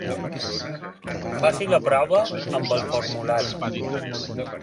Faci la prova amb el formulari.